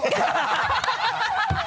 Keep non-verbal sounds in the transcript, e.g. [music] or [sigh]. ハハハ [laughs]